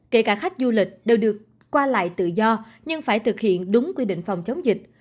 khách du lịch đều được qua lại tự do nhưng phải thực hiện đúng quy định phòng chống dịch